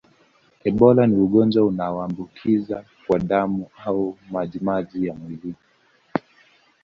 Ebola ni ugonjwa unaoambukiza kwa damu au majimaji ya mwilini